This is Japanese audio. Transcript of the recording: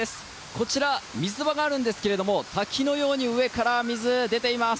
こちら、水場があるんですが滝のように上から水が出ています。